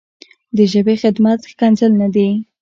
د ژبې خدمت ښکنځل نه دي.